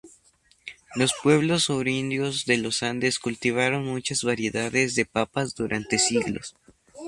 Los pueblos oriundos de los Andes cultivaron muchas variedades de papas durante siglos.